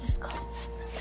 すいません